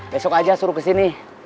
besok aja suruh kesini